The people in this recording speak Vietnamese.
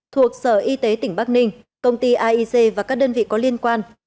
thuộc sở y tế tỉnh bắc ninh công ty aic và các đơn vị có liên quan